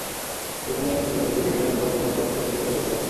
সেখানে থুতু ফেলে তীব্র ঘৃণা প্রকাশ করলেন পথচারী থেকে শুরু করে সবাই।